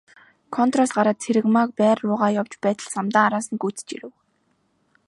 Контороос гараад Цэрэгмааг байр руугаа явж байтал Самдан араас нь гүйцэж ирэв.